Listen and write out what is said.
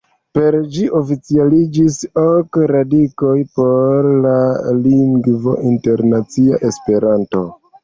Per ĝi oficialiĝis ok radikoj por la lingvo internacia Esperanto.